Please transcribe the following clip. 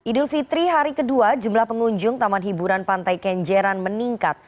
idul fitri hari kedua jumlah pengunjung taman hiburan pantai kenjeran meningkat